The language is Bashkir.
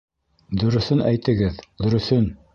Дөрөҫөн әйтегеҙ, дөрөҫөн!